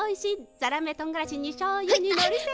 ザラメとんがらしにしょうゆにのりせん。